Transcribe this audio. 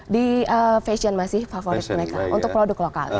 di fashion masih favorit mereka untuk produk lokal